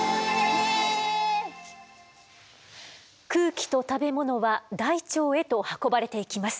空気と食べ物は大腸へと運ばれていきます。